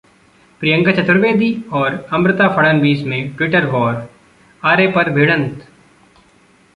प्रियंका चतुर्वेदी और अमृता फडणवीस में Twitter war, Aarey पर 'भिड़ंत'